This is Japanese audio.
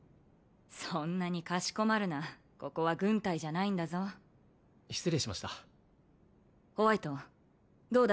そんなにかしこまるなここは軍隊じゃないんだぞ失礼しましたホワイトどうだ？